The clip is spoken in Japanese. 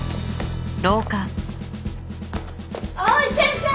藍井先生！